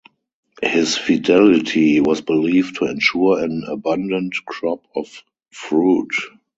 His fidelity was believed to ensure an abundant crop of fruit.